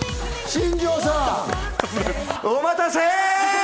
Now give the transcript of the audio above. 新庄さん！お待たせ。